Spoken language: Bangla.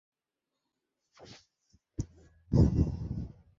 না, না, বিট দিয়ে গা।